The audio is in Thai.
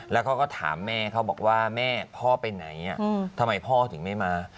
แล้วเขาก็ถามแม่เขาบอกว่าแม่พ่อไปไหนทำไมพ่อถึงไม่มา